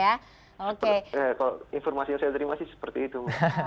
kalau informasi yang saya terima sih seperti itu